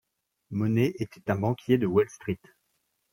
Monnet était un banquier de Wall-Street.